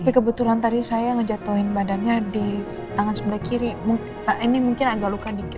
tapi kebetulan tadi saya ngejatuhin badannya di tangan sebelah kiri ini mungkin agak luka dikit